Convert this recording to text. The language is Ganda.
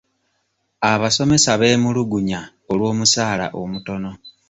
Abasomesa beemulugunya olw'omusaala omutono.